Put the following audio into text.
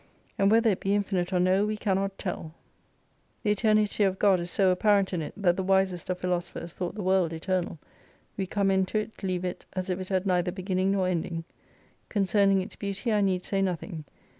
And whether it be infinite or no, we cannot tell. The Eternity of 93 God is so apparent in it, that the wisest of philosophers thought the world eternal. We come into it, leave it, as if it had neither beginning nor ending. Concerning its beauty I need say nothing.